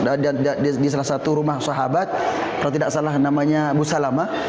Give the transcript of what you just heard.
maka kemudian itu onta duduk di salah satu rumah sahabat kalau tidak salah namanya abu salama